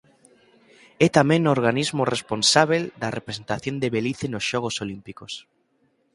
É tamén o organismo responsábel da representación de Belize nos Xogos Olímpicos.